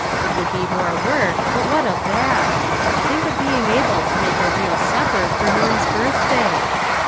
It would be more work, but what of that ? Think of being able to make a real supper for Norm's birthday!